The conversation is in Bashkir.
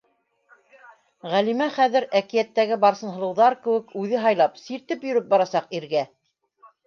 Ғәлимә хәҙер, әкиәттәге Барсынһылыуҙар кеүек, үҙе һайлап, сиртеп йөрөп барасаҡ иргә.